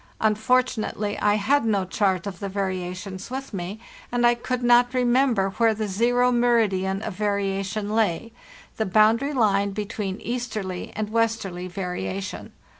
Unfortunately, | had no chart of the variations with me, and I could not remember where the zero meridian of variation lay—the boundary line between easterly and westerly variation.